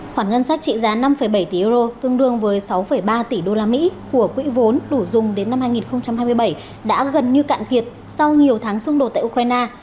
khoản ngân sách trị giá năm bảy tỷ euro tương đương với sáu ba tỷ usd của quỹ vốn đủ dùng đến năm hai nghìn hai mươi bảy đã gần như cạn kiệt sau nhiều tháng xung đột tại ukraine